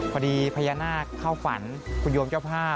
พญานาคเข้าฝันคุณโยมเจ้าภาพ